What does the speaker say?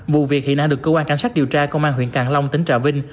vụ việc hiện đang được cơ quan cảnh sát điều tra công an huyện càng long tỉnh trà vinh